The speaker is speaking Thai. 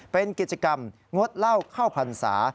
เป็นกิจกรรมงดเหล้าเข้าพรรษา